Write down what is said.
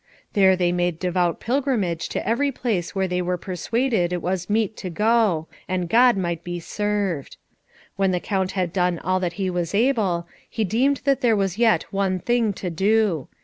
There they made devout pilgrimage to every place where they were persuaded it was meet to go, and God might be served. When the Count had done all that he was able, he deemed that there was yet one thing to do.